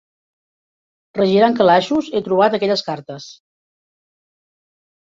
Regirant calaixos he retrobat aquelles cartes.